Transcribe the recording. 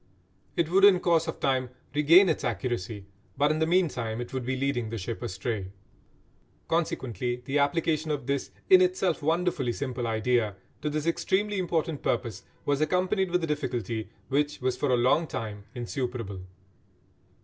It would in course of time regain its accuracy, but in the meantime it would be leading the ship astray. Consequently the application of this, in itself wonderfully simple, idea, to this extremely important purpose was accompanied with a difficulty which was for a long time insuperable.